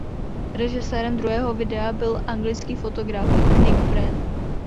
Režisérem druhého videa byl anglický fotograf Nick Brandt.